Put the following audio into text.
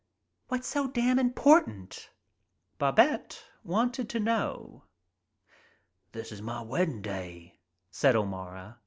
"What's so damned important?" Babette wanted to know. "This 's my weddin' day," said O'Mara.